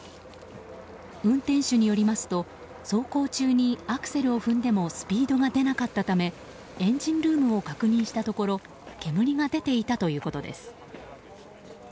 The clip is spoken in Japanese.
運転手によりますと走行中にアクセルを踏んでもスピードが出なかったためエンジンルームを確認したところ煙が出ていたということです。